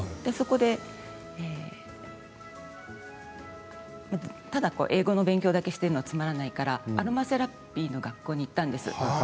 そこで、ただ英語の勉強だけをしているのはつまらないからアロマセラピーの学校に行ったんです。